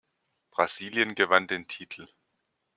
Brasilien gewann den Titel.